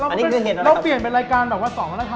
อ้าไม่รู้จักหรอ